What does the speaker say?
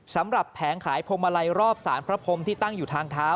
สำหรับแผงขายพลมะไลรอบสารพระพรมที่ตั้งอยู่ทางเท้า